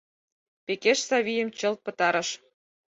Пекеш Савийым чылт пытарыш.